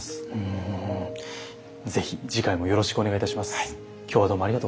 是非次回もよろしくお願いいたします。